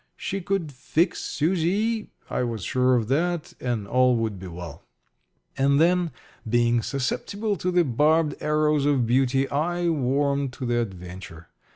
She could "fix" Susie I was sure of that and all would be well. And then, being susceptible to the barbed arrows of beauty, I warmed to the adventure.